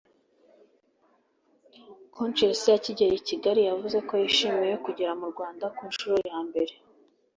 Konshens akigera i Kigali yavuze ko yishimiye kugera mu Rwanda ku nshuro ya mbere